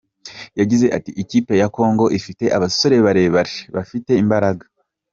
Yagize ati “Ikipe ya Congo ifite abasore barebare, bafite imbaraga.